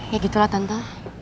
ya ya gitu lah tante